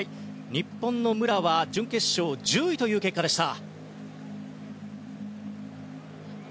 日本の武良は準決勝１０位という結果でした。